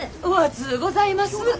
お暑うございます。